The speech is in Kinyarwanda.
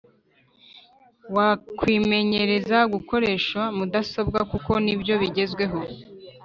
wakwimenyereza gukoresha mudasobwa kuko nibyo bigezweho